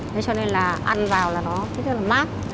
thế cho nên là ăn vào là nó cũng rất là mát